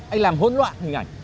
anh làm hỗn loạn hình ảnh